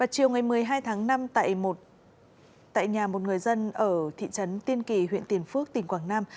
chiều ngày một mươi hai tháng năm tại nhà một người dân ở thị trấn tiên kỳ huyện tiền phước tỉnh quảng nam